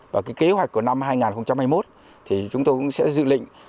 và cái kế hoạch của năm hai nghìn hai mươi một thì chúng tôi cũng sẽ dự lịnh